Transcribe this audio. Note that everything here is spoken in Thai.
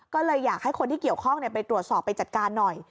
ก็เลยอยากให้คนที่เกี่ยวข้องไปตรวจสอบไปจัดการหน่อย